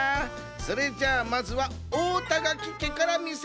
それじゃあまずはおおたがきけからみせてや。